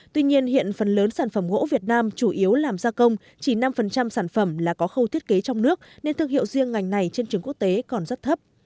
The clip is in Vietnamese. tuy nhiên hiện phần lớn sản phẩm gỗ việt nam chủ yếu làm gia công chỉ năm sản phẩm là có khâu thiết kế trong nước nên thương hiệu riêng ngành này trên trường quốc tế còn rất thấp